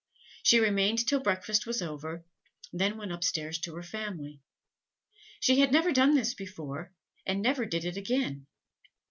She remained till breakfast was over, then went up stairs to her family. She had never done this before, and never did it again.